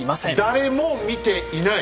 誰も見ていない？